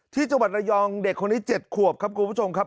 ที่จังหวัดระยองเด็กคนนี้๗ขวบครับคุณผู้ชมครับ